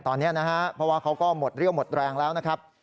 ตอนนี้นะฮะเพราะว่าเขาก็หมดเรี่ยวหมดแรงแล้วนะครับ